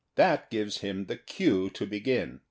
That gives him the cue to begin.